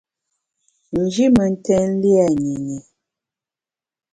Nji mentèn lia nyinyi.